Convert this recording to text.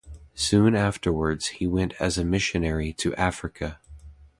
Soon afterwards, he went as a missionary to Africa.